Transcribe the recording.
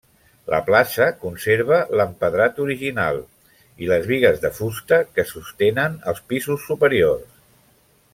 La plaça conserva l'empedrat original i les bigues de fusta que sostenen els pisos superiors.